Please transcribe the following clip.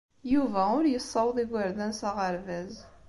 Yuba ur yessaweḍ igerdan s aɣerbaz.